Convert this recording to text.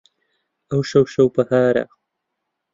ئەوشەو شەو بەهارە